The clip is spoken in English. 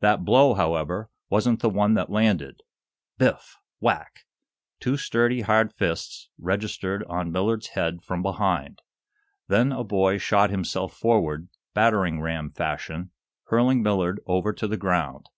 That blow, however, wasn't the one that landed. Biff! whack! Two sturdy, hard fists registered on Millard's head from behind. Then a boy shot himself forward, battering ram fashion, hurling Millard over to the ground.